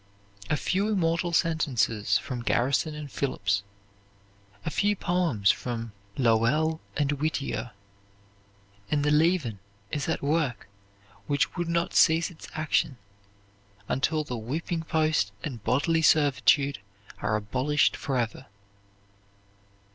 A few immortal sentences from Garrison and Phillips, a few poems from Lowell and Whittier, and the leaven is at work which will not cease its action until the whipping post and bodily servitude are abolished forever.